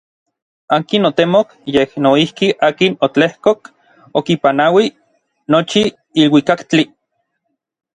Akin otemok yej noijki akin otlejkok okipanauij nochin iluikaktli.